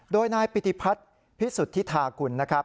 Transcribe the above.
โดยนายปิฏิพัฒน์พิสุทธิธากุล